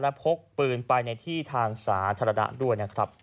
และพกปืนไปในที่ทางสาธารณะด้วย